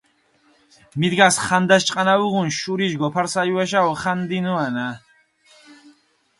მიდგას ხანდაშ ჭყანა უღუნ, შურიშ გოფარსალუაშა ოხანდინუანა.